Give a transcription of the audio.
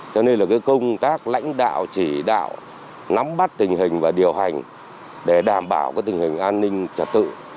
cho nên là công tác lãnh đạo chỉ đạo nắm bắt tình hình và điều hành để đảm bảo tình hình an ninh trật tự